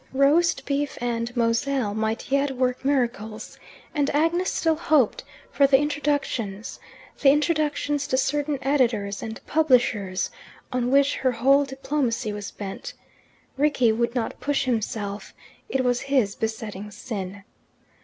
Roast beef and moselle might yet work miracles, and Agnes still hoped for the introductions the introductions to certain editors and publishers on which her whole diplomacy was bent. Rickie would not push himself. It was his besetting sin.